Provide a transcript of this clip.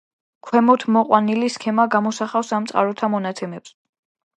ქვემოთ მოყვანილი სქემა გამოსახავს ამ წყაროთა მონაცემებს.